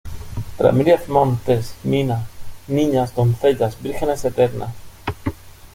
Ramírez Montes, Mina, Niñas, doncellas, vírgenes eternas.